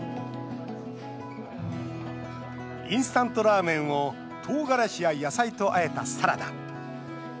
インスタントラーメンをとうがらしや野菜とあえたサラダ。